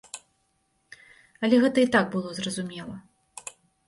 Але гэта і так было зразумела.